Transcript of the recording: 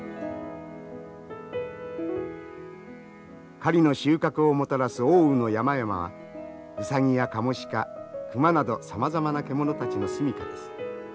狩りの収穫をもたらす奥羽の山々はウサギやカモシカ熊などさまざまな獣たちの住みかです。